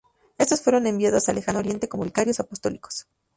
Estos fueron enviados al Lejano Oriente como vicarios apostólicos.